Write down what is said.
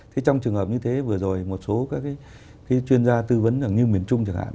thế trong trường hợp như thế vừa rồi một số các cái chuyên gia tư vấn rằng như miền trung chẳng hạn